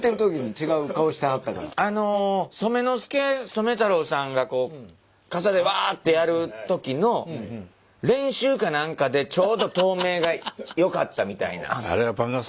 あの染之助・染太郎さんがこう傘でワッてやる時の練習か何かでちょうど透明がよかったみたいな。